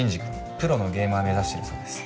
プロのゲーマー目指してるそうです